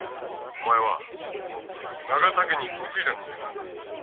お前は永田家に嫁いだ人間なんだ。